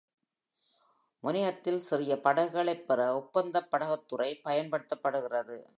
முனையத்தில் சிறிய படகுகளைப் பெற ஒப்பந்தப் படகுத்துறை பயன்படுத்தப்படுகிறது.